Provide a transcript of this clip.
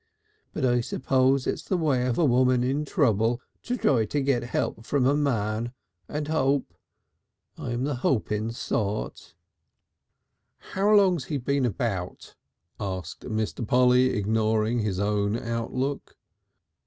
But I suppose it's the way of a woman in trouble to try and get help from a man, and hope and hope. I'm the hoping sort." "How long's he been about?" asked Mr. Polly, ignoring his own outlook.